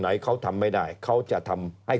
ได้ยังทำไม่ได้เค้าจะทำให้